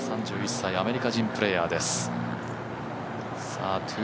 ３１歳、アメリカ人プレーヤーです。